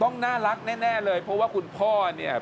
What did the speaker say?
ต้องน่ารักแน่เลยเพราะว่าคุณพ่อเนี่ย